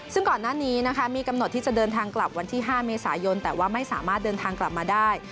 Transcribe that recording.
ซึ่งก่อนหน้านี้นะคะมีกำหนดที่จะเดินทางกลับวันที่๕เมษายนแต่ว่าไม่สามารถเดินทางกลับมาได้